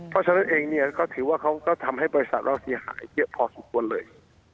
เพราะฉะนั้นเองเนี่ยก็ถือว่าเขาก็ทำให้บริษัทเราเสียหายเยอะพอสมควรเลย